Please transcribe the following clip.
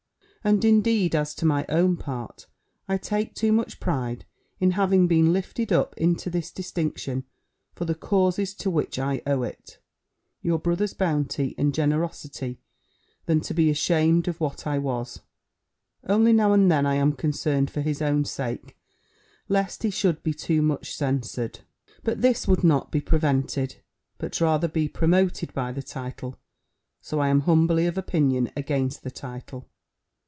And indeed, as to my own part, I take too much pride in having been lifted up into this distinction for the causes to which I owe it, your brother's bounty and generosity, than to be ashamed of what I was: only now and then I am concerned for his own sake, lest he should be too much censured. But this would not be prevented, but rather be promoted by the title. So I am humbly of opinion against the title."